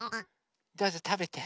どうぞたべて。